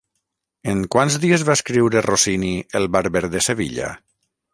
En quants dies va escriure Rossini el Barber de Sevilla?